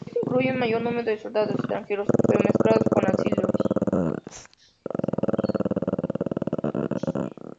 Esto incluía un mayor número de soldados extranjeros, pero mezclados con asirios.